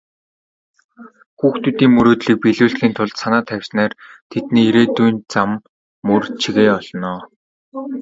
Хүүхдүүдийн мөрөөдлийг биелүүлэхийн тулд санаа тавьснаар тэдний ирээдүйн зам мөр чигээ олно.